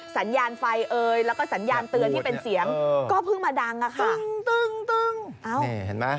สัญญาณไฟเอ่ยแล้วก็สัญญาณเตือนที่เป็นเสียงก็เพิ่งมาดังอะค่ะ